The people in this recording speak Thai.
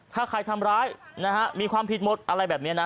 ถ้าใครทำร้ายนะฮะมีความผิดหมดอะไรแบบนี้นะ